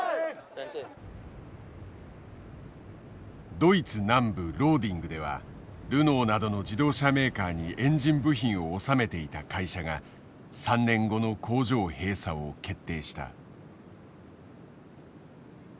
ドイツ南部ローディングではルノーなどの自動車メーカーにエンジン部品を納めていた会社が３年後の工場閉鎖を決定した。